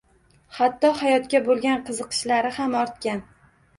Hatto hayotga boʻlgan qiziqishlari ham ortgan